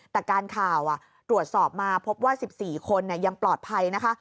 แต่การข่าวตรวจสอบมาพบว่า๑๔คนยังปลอดภัยนะคะ